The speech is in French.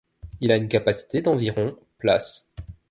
Il a une capacité d'environ places.